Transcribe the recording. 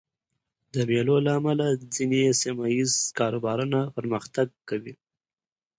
د مېلو له امله ځيني سیمه ییز کاروبارونه پرمختګ کوي.